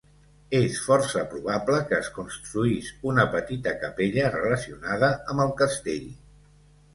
És força probable que es construís una petita capella relacionada amb el castell.